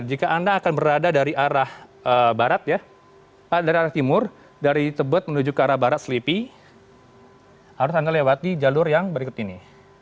jika anda akan berada dari arah barat ya dari arah timur dari tebet menuju ke arah barat selipi harus anda lewati jalur yang berikut ini